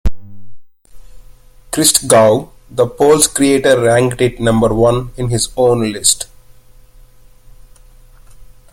Christgau, the poll's creator, ranked it number one in his own list.